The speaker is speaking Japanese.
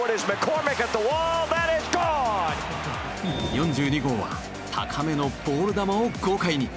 ４２号は高めのボール球を豪快に。